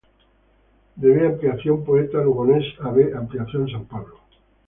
De B° Ampliación Poeta Lugones a B° Ampliación San Pablo.